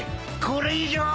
これ以上。